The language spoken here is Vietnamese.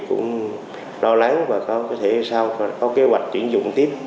cũng lo lắng và có kế hoạch chuyển dụng tiếp